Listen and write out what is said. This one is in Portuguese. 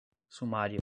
sumária